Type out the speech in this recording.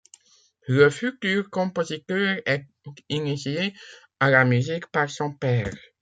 Le futur compositeur est initié à la musique par son père.